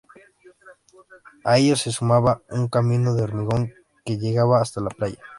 A ello se sumaba un camino de hormigón que llegaba hasta la playa.